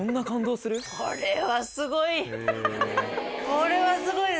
これはすごいです！